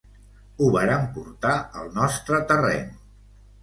Ho vàrem portar al nostre terreny.